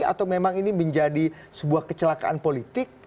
atau memang ini menjadi sebuah kecelakaan politik